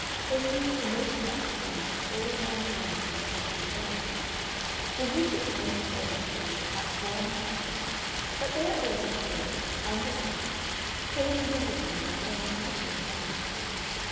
They seemed the most wrapped things in all Ann Veronica's wrappered world. The Widgett mental furniture was perhaps worn and shabby, but there it was before you, undisguised, fading visibly in an almost pitiless sunlight.